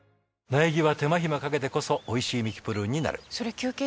苗木は手間暇かけてこそおいしいミキプルーン。